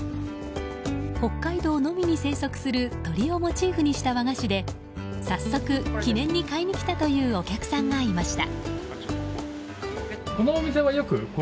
北海道のみに生息する鳥をモチーフにした和菓子で早速、記念に買いに来たというお客さんがいました。